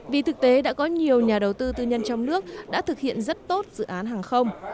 vì thực tế đã có nhiều nhà đầu tư tư nhân trong nước đã thực hiện rất tốt dự án hàng không